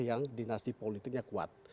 yang dinasti politiknya kuat